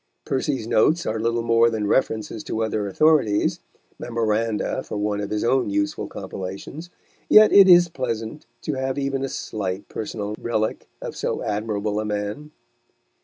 Percy's notes are little more than references to other authorities, memoranda for one of his own useful compilations, yet it is pleasant to have even a slight personal relic of so admirable a man.